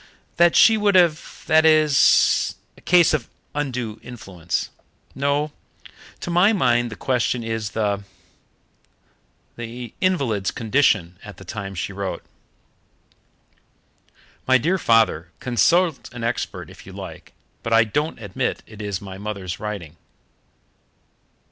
"That she would have that it is a case of undue influence. No, to my mind the question is the the invalid's condition at the time she wrote." "My dear father, consult an expert if you like, but I don't admit it is my mother's writing."